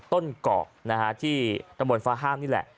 ต้นเกาะที่ตำบลฟ้าห้ามนี่แหละ